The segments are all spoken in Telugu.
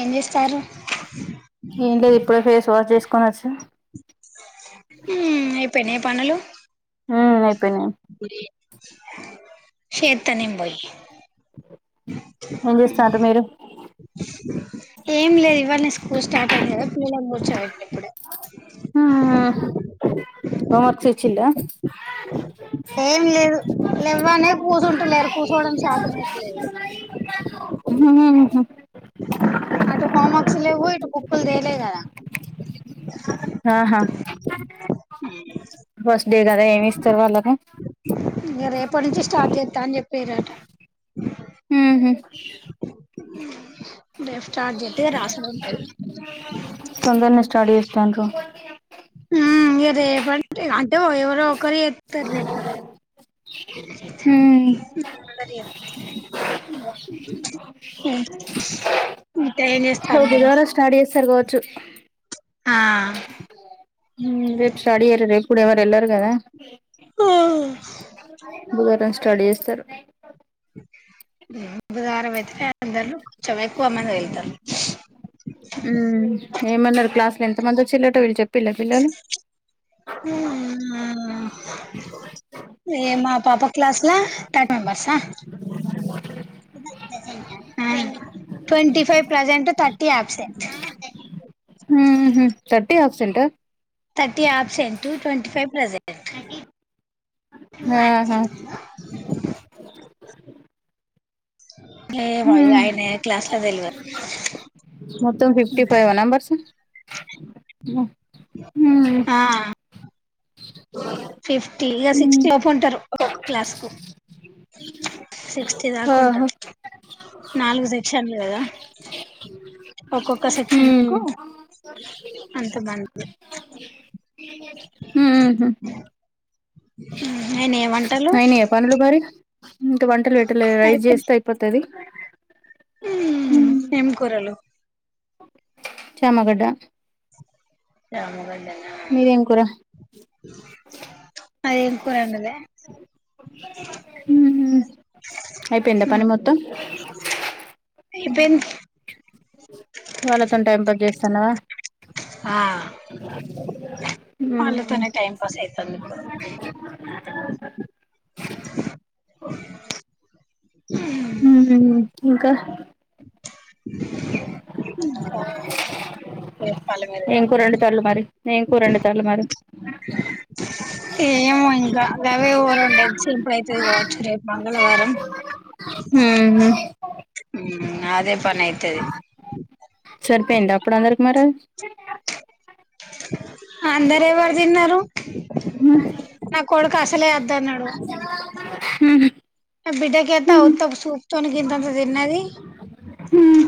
ఏం చేస్తారు ఏం లేద్ ఇప్పుడే ఫేస్ వాష్ జెస్ హ్మ్ అయిపోయినయా పనలు ఉమ్ అయిపోయినాయి శెత్త నేను పోయి ఏం చేస్తున్నంట మీరు ఏం లేదు ఇవళీ స్కూల్ స్టార్ట్ అయినది పూల కూర్చోబేట్నా ఇప్పుడే హ్మ్ హోంవర్క్స్ ఇచ్చిండ ఏం లేదు లేవనే కూర్చుంటలేరు కూర్చోడం షాతనైతలేదు హ్మ్ హ్మ్ అటు హోమ్ వర్క్స్ లేవు ఇటు బుక్లు తేలే కద ఆహా ఫస్ట్ డే కద ఏమి ఇస్తరు వాళ్ళకు ఇగ రేపటి నుంచి స్టార్ట్ జెత్త అని చెప్పిర్రట ఉహ్మ్ రేప్ స్టార్ట్ జెత్తె రాసుడు ఉంటది తొందరనే [unintelligible] హ్మ్ ఇగ రెప అంటే ఎవరో ఓకరూ చెప్తారు రేపు ఉమ్ [inaudible] [inaudible] చేస్తారు మీరు బుధువార స్టార్ట్ చేస్తరు గావచ్చు ఆ హ్మ్ రేపు స్టార్డ్ ఈయరూ రేప్ కూడ ఎవర్ ఎల్లర్ గద ఆ బుధవారం స్టార్ట్ చేస్తరు బుధవారం అయితే అందరు కొంచెం ఎక్కువ మంది వెళ్తారు హ్మ్ ఏమన్నారు క్లాసు లో ఎంత మంది వచ్చిలటో వీళ్ చెప్పిళ పిల్లలు హ్మ్ ఏ మా పాప క్లాస్ల తట bars [inaudible] twenty five present thirty absent సెంటు thirty absent twenty five present త అచ ఆహా ఏమో ఇగ హ్మ్ ఆయన క్లాస్ లో తెల్వదు మొత్తం ఫిఫ్టీ ఫైవ్ అ నెంబర్స్ హ్మ్ ఆ ఫిఫ్టీ ఇగ సిక్స్టీ లోపు ఉంటరు ఒక్కొక్క క్లాస్ కు సిక్స్టీ ఆహా దాకుంటరూ నాలుగు సెక్షన్లూ గద ఒక్కొక్క సెక్షన్కు అంత మంది మ్ హ్ మ్ నే నేవ్ అయినయా పనులు మరి ఇంకా వంటల్ పెట్టలే రైస్ చేస్తే అయిపోతది. మ్ ఏం కూరలు చామగడ్డ. చామగడ్డనా మీదేం కూర మీరేం కూర అండలే అయిపోయింద పని మొత్తం. అయిపోయింది. వాళ్ళతోన్ టైం పాస్ చేస్తాన్నవా ఆ మ్ మ్ టైం పాస్ అయితుంది [unintelligible] మ్ ఇంకా చేత్తాన్లు మీరిగా ఏం కూర వండుతాళ్ళు మరి ఏం కూరండుతాన్లు మరి ఏమో ఇంకా అవే ఓ రెండు [unintelligible] కావచ్చు రేప్ మా మంగళవారం హ్ మ్ మ్ అదే పని అయితది సరిపోయిందా అప్పుడ్ అందర్కి మరది అందరెవర్ తిన్నరు నా కొడుక్ అసలే అద్దన్నడు. నో నా బిడ్డకేత్తే అ ఉమ్మ్. ఉత్త ఒక సూప్తోనే గింతంత తిన్నది. ఉమ్మ్.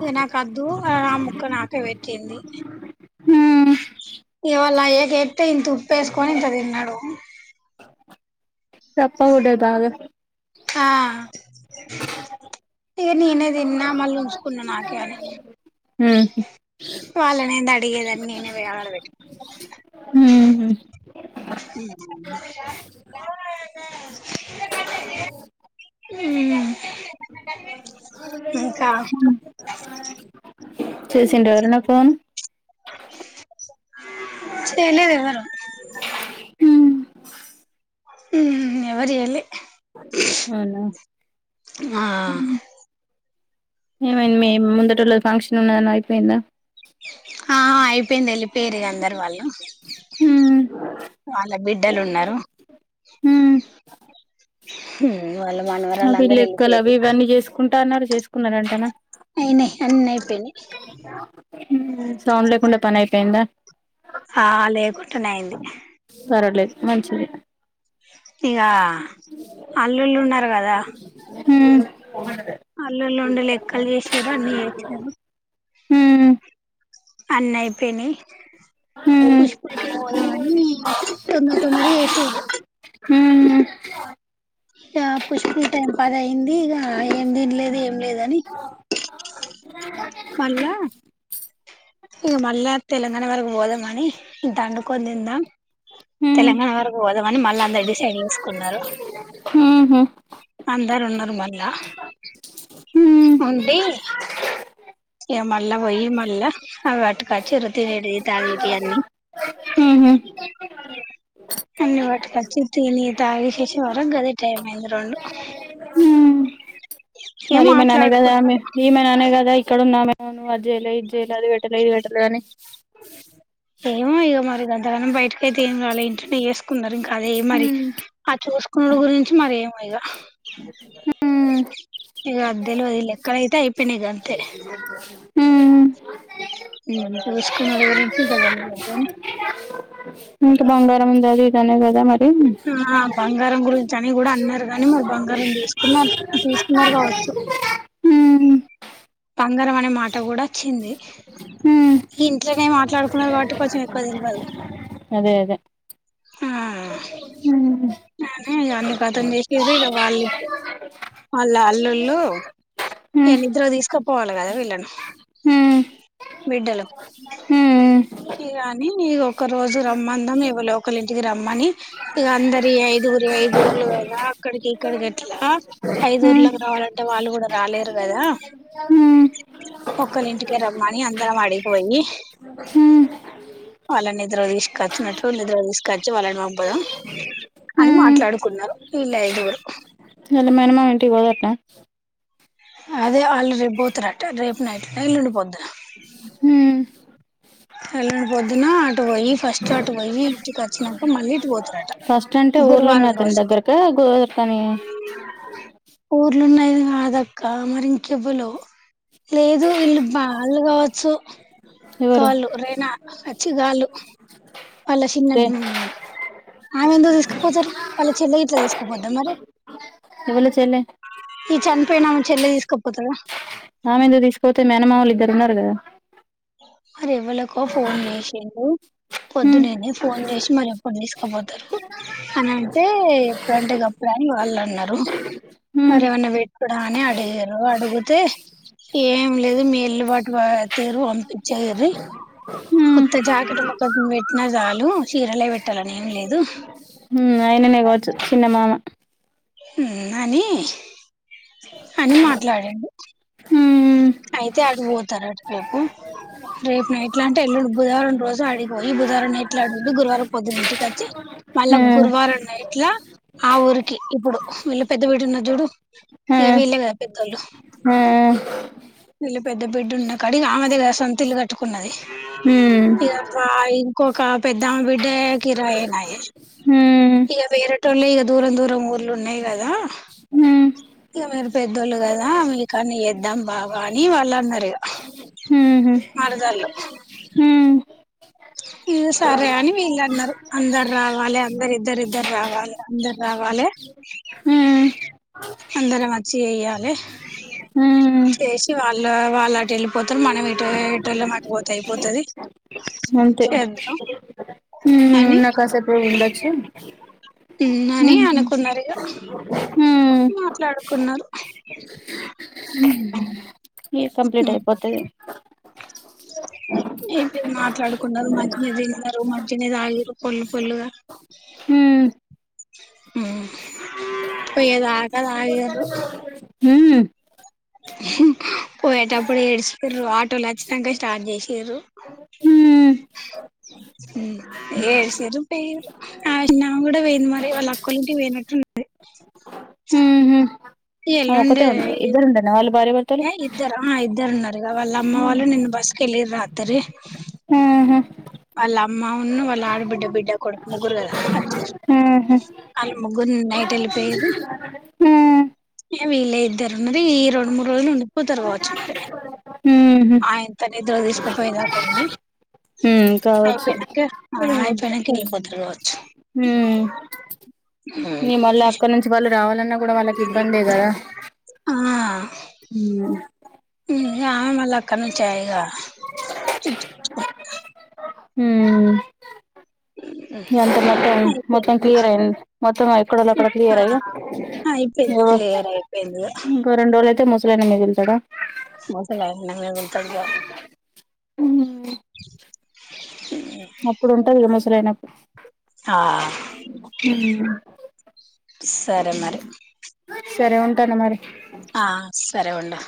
ఇగ నాకద్దు ఆ ముక్క నాకే పెట్టింది. ఉమ్మ్. ఇగ వాళ్ళ అయ్యకేత్తే ఇంత ఉప్పేస్కొని ఇంత తిన్నడు. సప్ప గుంటద్ బాగా ఆ ఇగ నేనే తిన్నా మళ్ళీ ఉంచుకున్న నాకే అని హ్మ్ వాళ్ళనేంద్ అడిగేదని నేనే పోయి ఆడ పెట్ ఉమ్మ్. [unintelligible] మ్ ఇంకా ఆ చేసింర ఎవరన్న ఫోన్ చేయలేద్ ఎవరు మ్ హ్ ఎవర్ చేయలె అవునా ఏమైంది మీ ముందటోల్లది ఫంక్షన్ ఉన్నదన్నవ్ అయిపోయిందా ఆ అయిపోయింది ఎళ్ళిపొన్రిగ అందర్ వాళ్ళు మ్ వాళ్ళ బిడ్డలున్నరు. వాళ్ళు అవి మానవరాళ్లందరూ లెక్కలు అవి ఎళ్ళిపోయిన్రు. ఇవన్నీ చేసుకుంటా అన్నారు చేసుకున్నారంటనా అయినయి అన్నైపోయినయ్ సౌండ్ లేకుండా పనైపోయిందా ఆ లేకుంటనే అయింది. మంచిది ఇగా అల్లుల్లుు ఉన్నారు కదా హ్మ్ అల్లులు ఉండే లెక్కలు చేసారు అన్ని చేసారు హ అన్న అయిపోయినియ్ పుష్పులకి పోదామని తొందర తొందర ఎసారు హ అ పుస్పు టైం పద అయింది ఇగ ఏం తిన్లేదు ఏ లేదని మళ్ళా ఇగ మళ్ళ తెలంగాణ వరకు పోదామనీ దండుకని తిందాం. తెలంగాణ వరకు పోదామని మళ్ళా అందరు డిసైడ్ చేసుకున్నారు. ఉహ అందరు ఉన్నారు మళ్ళా ఉంటి ఏ మళ్ళ వయి మళ్ళ అవి అట్గాచ్చిరు తినేటివి, తాగెటియి అన్ని ఉహ అన్ని వాటిక వచ్చి తిని తాగి చేసే వరకు గదే టైం అయింది రెండు ఏం మరి ఈమె ననే గదా మాట్లాడుకున్నారు ఆమె ఈమె ననే గదై ఇక్కడ ఉన్నామెనూను అజయల, ఇదిజేయల అది వెట్టలే, ఇది వెట్టలేదని ఏమో ఇగ మరి గంతగానం బయటకైతే ఏం రాల ఇంటినే ఏసుకున్నారు ఇంకాద మరి అని అచు చూసుకున్నడు గురించి మరి ఏమైగా హ్మ్ ఇగ అద్దెలవదు లెక్కలు అయితే అయిపోనగ అంతే హ్మ్ నీ దస్కు నడురుదే ఉంత బంగారం ఉంద లేదనే కదా మరి హమ్ బంగారం గురించి అని కూడా అన్నారు గాని మరి బంగారం తీసుకున్నారు తీసుకున్నారు కావచ్చు. మ్ బంగారం అనే మాట కూడా వచ్చింది. హ్మ్ ఇంట్లోనే మాట్లాడుకున్నారు కాబట్టి కొంచెం ఎక్కువ తెలవదు. అదే అదే మ్ ఆహు ఈ అన్ని కదలు తీసిరి ఇక వాళ్లే అళ్ళా అల్లుళ్ళు ఏ హ్మ్ న్నిద్ద్ర తీసుకోపోవాలిగా వీళ్ళను బిడ్డలు హమ్ ఇ గాని ని ఒకరోజు రమ్మందాం ఎవ లోకలి ఇంటికి రమ్మని ఇగ అందరి ఐదుగురు ఈ ఐదుఊర్లు కదా అక్కడికి ఇక్కడికి ఎట్లా హ్మ్ ఐదుూర్లోకి రావాలంటే వాళ్ళు కూడా రాలేరు గదా హ్మ్ ఒకలి ఇంటికే రమ్మని అందరం అడిగిపోయి హ్మ్ వాళ్ళని నిద్ర తీసుకొచ్చునట్లు నిద్ర తీసుకొచ్చి వాళ్ళని పంపద అని హ్మ్ మాట్లాడుకున్నారు వీళ్ళఐదుగురు నిన్న మేనమామ ఇంటికి పోదట అదే వాళ్ళు రేపు పోతారట. రేపు నైట్ న ఏల్లుండిపోద్ద హ్మ్ ఎళ్లాని పొద్దున అటు పోయి ఫస్ట్ అటు పోయి ఇంటికి వచ్చినాక మళ్ళీ ఇటు పోద్ ఫస్ట్ అంటే ఊర్ల ఉన్న అతను దగ్గరకా గోదరి కాని ఊర్లున్నాయిది కాదక్క మరింకెబులు లేదు వీళ్ళు పాల్ కావచ్చు. ఎవరు కాళ్ళు అచ్చి గాలు వాళ్ళ చిన్న రే ఆమె ఎందుకు తీస్కపోతరు వాళ్ళ చెల్ల గిట్లా తీస్కపోత్దా మరి ఎవళ చెల్లె ఈ చనిపోయినామె చెల్ల తీస్కపోతదా ఆమె ఎందుక్ తీస్కపోతది మేనమామల్ ఇద్దర్ ఉన్నార్ కదా మరి ఎవలకో ఫోన్ చేసిండు హ్మ్ పొద్దునేనే ఫోన్ చేసి మరి వర్ తీస్కపోతరు అనంటే ఎప్పుడంటే గప్పుడే అని వాళ్ళన్నరు. హ్మ్ మరేమన్నా పెట్టుడా అని అడిగిర్రు అడుగుతే ఏం లేదు మీ ఇల్లు వాటు వ తీరు పంపిచ్చేయిన్రి. హ్మ్ కొత్త జాకెట్ ముక్క పెట్టినా చాలు చీరలే పెట్టాలని ఏం లేదు. హ్మ్ ఆయననే కావచ్చు చిన్న మామ. అని అని మాట్లాడిండు. అంతే అయితే అటు పోతరట రేపు రేప్ నైట్లా అంటే ఎల్లుండు బుధవారం రోజు అడి పోయి బుధవారం నైట్లా అడుండు గురువారం పొద్దున్ ఇంటికచ్చి మళ్ళ గురువారం నైట్ల ఆ ఊరికి ఇప్పుడు వీళ్ళ పెద్ద వీడున్న చూడు ఇగ వీళ్ళే కదా పెద్దోళ్ళు ఆ వీళ్ళ పెద్ద బిడ్డున్న కాడిగ ఆమె కదా సంతిల్లు కట్టుకున్నది హ్మ్ ఇక ఇంకొక పెద్దామా బిడ్డ కిరాయేనాయే ఇగ వేరేటోళ్ళు ఇగ దూరం దూరం ఊర్లు ఉన్నయి క హ్మ్ ఇగ మరి పెద్దోళ్ళు గదా మీ కాన్నే చేద్దాం బావ అని వాళ్ళన్నరిగ మరదళ్ళు ఇగ సరే అని వీళ్ళన్నరు అందర్ రావాలె అందర్ ఇద్దరిద్దర్ రావాలె అందర్ రావాలె హ్మ్ అందరం వచ్చి చెయ్యాలె చేసి వాళ్ళ వాళ్ళు అటు ఎళ్ళిపోతరు మనం ఇటు ఎటోలం అటు పోతే అయిపోతది. అంతే చేద్దాం అని ఉన్నా కాసేపు ఉండచ్చు. మ్ అని అనుకున్నరిగ హ్మ్ మాట్లాడుకున్నరు. ఇయర్ కంప్లీట్ అయిపోతది. ఏం లేదు మాట్లాడుకున్నరు మంచిగనే తిన్నరు మంచిగనే తాగిన్రు ఫుల్ ఫుల్లుగా హ్మ్ పోయేదాకా తాగిర్రు మ్ పోయేటప్పుడు ఏడిచ్రు ఆటోల్ అచ్చినాక స్టార్ట్ చేసింరు. హ్మ్ ఇ ఏడ్చిరు పోయిరు ఆ ఆమె గుడ పోయింది మరి వాళ్ళ అక్కోల్లింటి పోయినట్టు ది ఊహూ ఆమె ఒకతే ఉండే ఇద్దరుండేనా వాల్ ఆ ఇద్దరున్నరుగ ఇగ వాళ్ళ అమ్మ వాళ్ళు నిన్న బస్ కెళ్లిరు రాత్రీ ఆహా వాళ్ల అమ్మ ఉను వాళ్ల ఆడబిడ్డ బిడ్డ కొడుకు ముగ్గురు కదా ఊహూ ఆళ్ళు ముగ్గురు నైట్ ఎళ్ళిపోయిరు ఊ ఇగ వీళ్ళే ఇద్దరు ఉన్నది ఈ రెండు మూడు రోజులు ఉండిపోతరు కావచ్చు మరి ఊహూ ఆయంత నిద్రక్ తీస్కపోయేదాక ఉండి హ్మ్ కావచ్చు అయిపోయినాక అయిపోయినాక వెళ్ళిపోతారు వా మ్ ఇగ మళ్ళీ అక్కడ నుంచి వాళ్ రావాలన్నా కూడా వాళ్ళకి ఇబ్బందే గదా ఆ మ్ ఆ మళ్ల అక్కడ్నుంచే గ హ్మ్ మ్ ఎంత మొత్తం మొత్తం క్లియర్ అయింది మొత్తం ఎక్కడోళ్లక్కడ క్లియర్ అయ్యా ఆ అయిపోయింది ఓ క్లియర్ అయిపోయింది ఇగ ఇంకొరెండు రోలు అయితే ముసలాయన మిగుల్తాడ ముసలాయన ఇడనే ఉంటాడు బాబు అప్పుడుంటదిగ ముసలాయన ఆ కు మ్ సరే మరి సరే ఉంటాను మరి ఆ సరే ఉండు